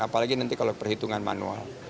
apalagi kalau perhitungan manual